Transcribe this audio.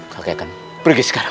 kakek akan pergi sekarang